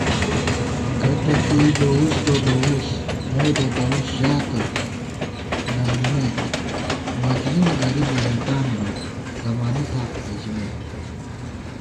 گٹہ کېئی بَوُس بہ بَوُس نئیبہ دَؤس ژاتہ نہ مِمېت * مجنُون غریبہ رېٹان گہ، ضمانَتاں نہ ژِمېت